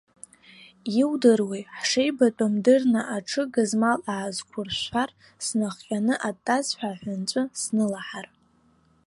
Иудыруеи, ҳшеибатәым дырны аҽы гызмал аазқәыршәшәар, снахҟьаны атазҳәа аҳәынҵәа снылаҳар.